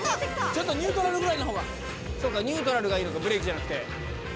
ちょっとニュートラルぐらいニュートラルがいいのか、ブレーキじゃなくて。